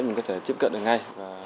mình có thể tiếp cận được ngay